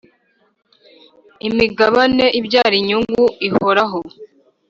imigabane ibyara inyungu ihoraho